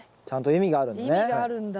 意味があるんだ。